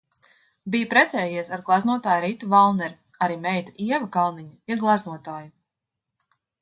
Bija precējies ar gleznotāju Ritu Valneri, arī meita Ieva Kalniņa ir gleznotāja.